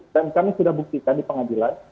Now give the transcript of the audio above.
dan kami sudah buktikan di pengadilan